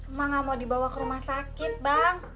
emang gak mau dibawa ke rumah sakit bang